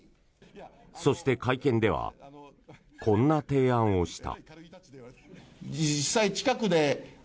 そして会見ではこんな提案をした。